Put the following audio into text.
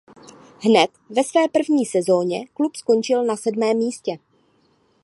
Hned ve své první sezóně klub skončil na sedmém místě.